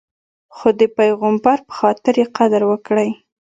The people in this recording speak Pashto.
خو د پیغمبر په خاطر یې قدر وکړئ.